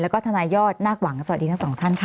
แล้วก็ทนายยอดนาคหวังสวัสดีทั้งสองท่านค่ะ